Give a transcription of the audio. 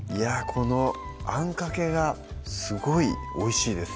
このあんかけがすごいおいしいですね